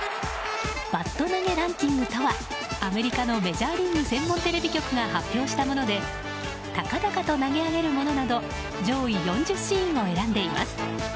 バット投げランキングとはアメリカのメジャーリーグ専門テレビ局が発表したもので高々と投げ上げるものなど上位４０シーンを選んでいます。